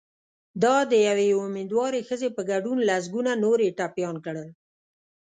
او د یوې امېندوارې ښځې په ګډون لسګونه نور یې ټپیان کړل